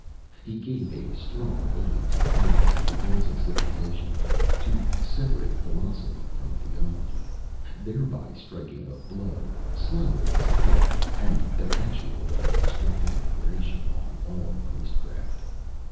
He gave a strong aid to the tendency of advancing civilization, to separate philosophy from theology, thereby striking a blow, slow in its effect, and effectual in its destructive operation, on all priestcraft.